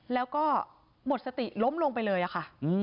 แล้วก็หมดสติล้มลงไปเลยอะค่ะ